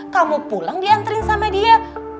kamu pulang diantarin sama dia